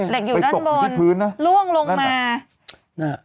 เหล็กอยู่ด้านบนล่วงลงมา